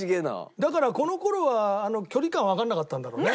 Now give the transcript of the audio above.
だからこの頃は距離感わかんなかったんだろうね。